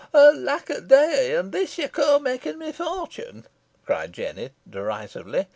"Alack a day! an this ye ca' makin my fortin," cried Jennet, derisively.